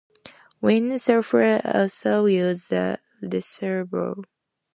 Windsurfers also use the reservoir.